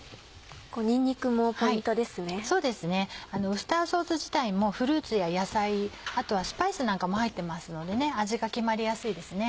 ウスターソース自体もフルーツや野菜あとはスパイスなんかも入ってますので味が決まりやすいですね。